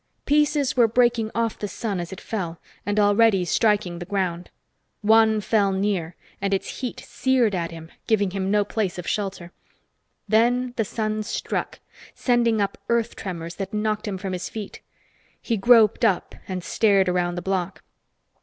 Pieces were breaking off the sun as it fell, and already striking the ground. One fell near, and its heat seared at him, giving him no place of shelter. Then the sun struck, sending up earth tremors that knocked him from his feet. He groped up and stared around the block.